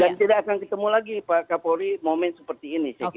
dan tidak akan ketemu lagi pak kapolri moment seperti ini